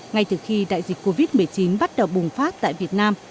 ngay từ khi đại dịch covid một mươi chín bắt đầu bùng phát tại việt nam